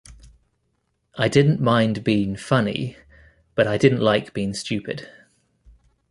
I didn't mind being funny, but I didn't like being stupid.